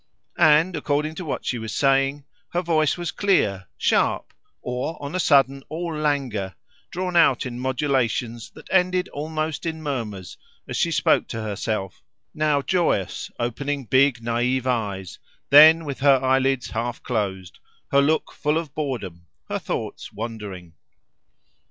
And, according to what she was saying, her voice was clear, sharp, or, on a sudden all languor, drawn out in modulations that ended almost in murmurs as she spoke to herself, now joyous, opening big naive eyes, then with her eyelids half closed, her look full of boredom, her thoughts wandering.